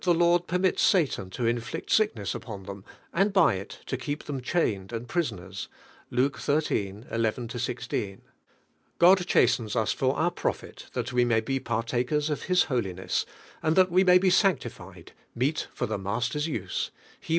Lord, permits. Sat an to inflict sick nej w upon I In gild by ii keeps them chained and prison ers (Luke xiii. 11, 18). God chastens us "for our profit, that we may be partakers of His holiness," and that we may be sanctified, "meet for the Master's use" (He h.